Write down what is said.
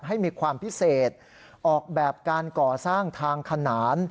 ให้มีความพิเศษออกแบบการก่อสร้างทางขนาน